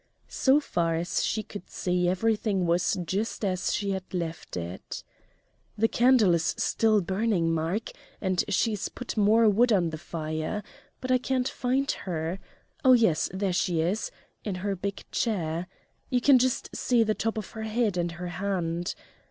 So far as she could see everything was just as she had left it. "The candle is still burning, Mark, and she's put more wood on the fire. But I can't find her. Oh, yes there she is in her big chair you can just see the top of her head and her hand.